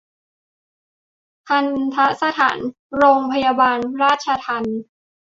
ทัณฑสถานโรงพยาบาลราชทัณฑ์